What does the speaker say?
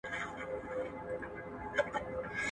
مړه دې وي خاينان.